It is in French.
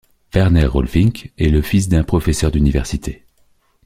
Werner Rolfinck est le fils d'un professeur d’université.